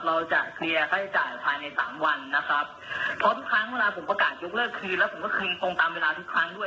เราจะเคลียร์ค่าใช้จ่ายภายในสามวันนะครับเพราะทุกครั้งเวลาผมประกาศยกเลิกคืนแล้วผมก็คืนตรงตามเวลาทุกครั้งด้วย